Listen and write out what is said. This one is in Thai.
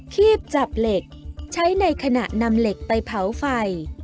ีบจับเหล็กใช้ในขณะนำเหล็กไปเผาไฟ